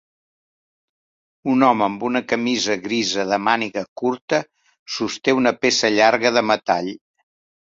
Un home amb una camisa grisa de màniga curta sosté una peça llarga de metall.